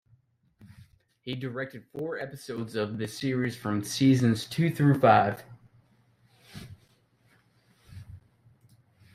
He directed four episodes of the series from seasons two through five.